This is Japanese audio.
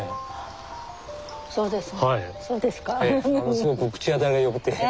すごく口当たりがよくて。